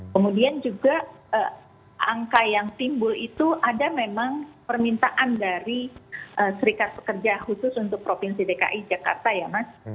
kemudian juga angka yang timbul itu ada memang permintaan dari serikat pekerja khusus untuk provinsi dki jakarta ya mas